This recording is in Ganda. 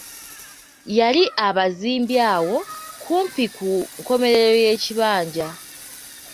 Yali abazimbye awo kumpi ku nkomerero y'ekibanja.